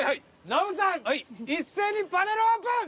ノブさん一斉にパネルオープン。